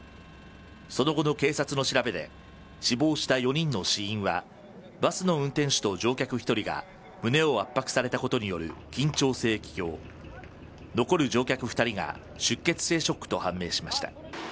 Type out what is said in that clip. その後の警察の調べで、死亡した４人の死因は、バスの運転手と乗客１人が、胸を圧迫されたことによる緊張性気胸、残る乗客２人が出血性ショックと判明しました。